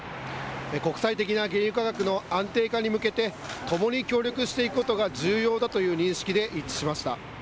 国際的な原油価格の安定化に向けて、共に協力していくことが重要だという認識で一致しました。